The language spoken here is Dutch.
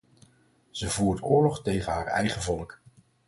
Ze voert oorlog tegen haar eigen volk.